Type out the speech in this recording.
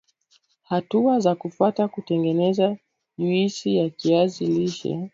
Hatua za kufuata kutengeneza juisi ya kiazi lishe